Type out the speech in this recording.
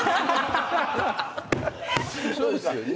そうですよね。